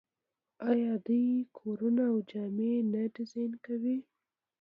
آیا دوی کورونه او جامې نه ډیزاین کوي؟